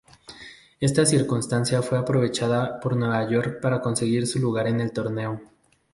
Esta circunstancia fue aprovechada por Nueva York para conseguir su lugar en el torneo.